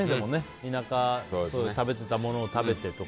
田舎で食べてたものを食べてとか。